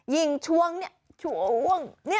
ยิงชวงชวงนี้